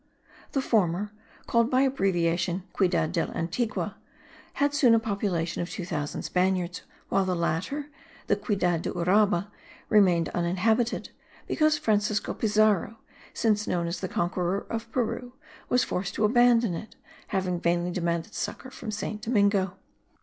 The former, called by abbreviation Ciudad del Antigua, had soon a population of 2000 Spaniards; while the latter, the Ciudad del Uraba, remained uninhabited, because Francisco Pizarro, since known as the conqueror of Peru, was forced to abandon it, having vainly demanded succour from St. Domingo.